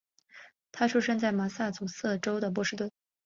他出生在麻萨诸塞州的波士顿。